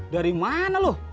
dari mana lu